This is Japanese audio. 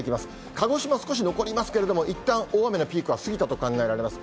鹿児島、少し残りますけれども、いったん大雨のピークは過ぎたと考えられます。